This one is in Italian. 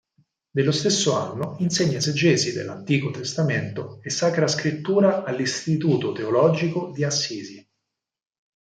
Dallo stesso anno insegna esegesi dell'Antico Testamento e sacra scrittura all'istituto teologico di Assisi.